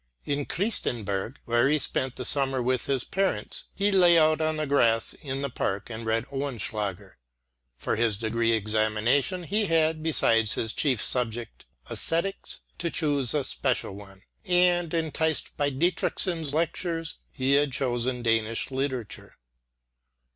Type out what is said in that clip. In Kristineberg, where he spent the summer with his parents, he lay out on the grass in the park and read Oehlenschläger. For his degree examination, he had, besides his chief subject æsthetics, to choose a special one, and, enticed by Dietrichson's lectures, he had chosen Danish literature.